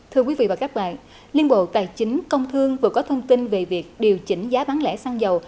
thưa quý vị và các bạn liên bộ tài chính công thương vừa có thông tin về việc điều chỉnh giá bán lẻ xăng dầu